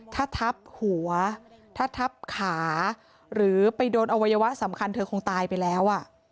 ถ้าทับหัวถ้าทับขาหรือไปโดนอวัยวะสำคัญเธอคงตายไปแล้ว